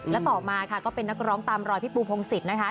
และต่อมาค่ะก็เป็นนักร้องตามรอยพี่ปูพงศิษย์นะคะ